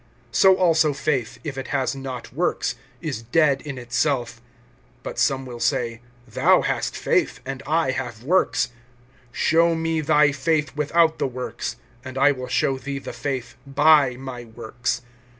(17)So also faith, if it has not works, is dead in itself. (18)But some will say: Thou hast faith, and I have works; show me thy faith without the works, and I will show thee the faith by my works.